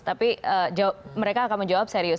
tapi mereka akan menjawab serius